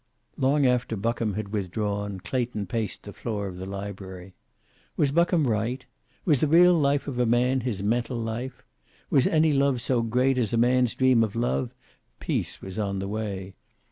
Long after Buckham had withdrawn, Clayton paced the floor of the library. Was Buckham right? Was the real life of a man his mental life? Was any love so great as a man's dream of love? Peace was on the way.